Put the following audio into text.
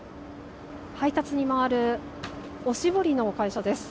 配達に回るおしぼりの会社です。